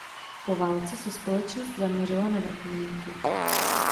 Po válce se společnost zaměřila na vrtulníky.